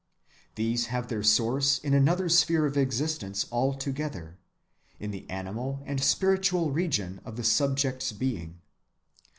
These have their source in another sphere of existence altogether, in the animal and spiritual region of the subject's being.